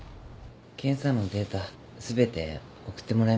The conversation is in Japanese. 検査のデータすべて送ってもらいました。